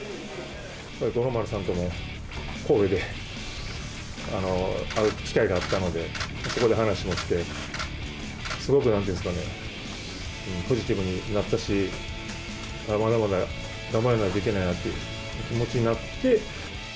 五郎丸さんとも神戸で会う機会があったので、そこで話をして、すごくなんていうんですかね、ポジティブになったし、まだまだ頑張らないといけないなという気持ちになって。